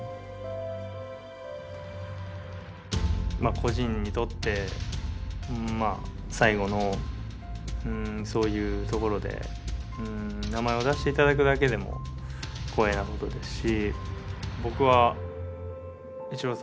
個人にとって最後のそういうところで名前を出して頂くだけでも光栄なことですし。